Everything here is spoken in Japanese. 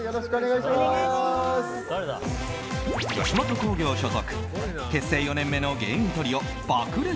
吉本興業所属結成４年目の芸人トリオ爆烈